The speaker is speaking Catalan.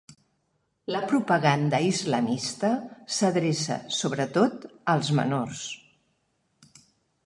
La propaganda islamista s'adreça sobretot als menors.